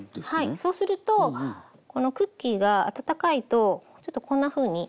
そうするとこのクッキーが温かいとちょっとこんなふうに一瞬で。